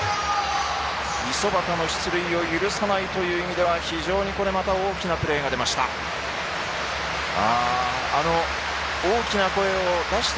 五十幡の出塁を許さないという意味では非常に大きなプレーが出ました。